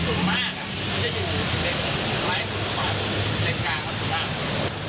ปกติส่วนมากมันจะอยู่ซ้ายสุดขวาและเล็กกลางขวาสุดล่าง